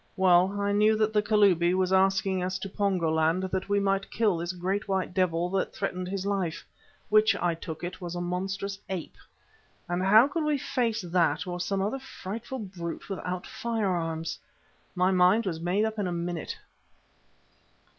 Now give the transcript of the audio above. Well, I knew that the Kalubi was asking us to Pongo land that we might kill this Great White Devil that threatened his life, which, I took it, was a monstrous ape. And how could we face that or some other frightful brute without firearms? My mind was made up in a minute.